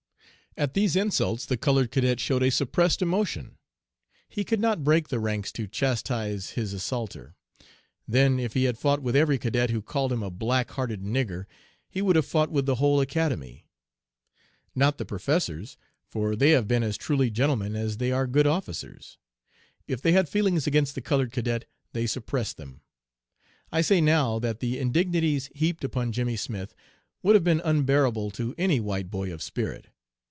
"At these insults the colored cadet showed a suppressed emotion. He could not break the ranks to chastise his assaulter. Then if he had fought with every cadet who called him a ' black hearted nigger,' he would have fought with the whole Academy. Not the professors, for they have been as truly gentlemen as they are good officers. If they had feelings against the colored cadet they suppressed them. I say now that the indignities heaped upon Jimmy Smith would have been unbearable to any white boy of spirit.